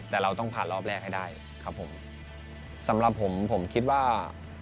แต่เราต้องผ่านรอบแรกให้ได้ครับผมสำหรับผมผมคิดว่า